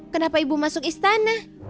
kenapa ibu masuk istana